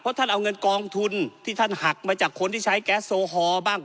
ท่านเอาเงินกองทุนที่ท่านหักมาจากคนที่ใช้แก๊สโซฮอล์บ้าง